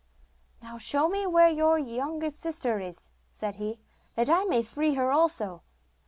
'Now show me where your youngest sister is,' said he, 'that I may free her also.